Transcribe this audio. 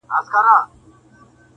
چي پرون وو گاونډی نن میرڅمن سو-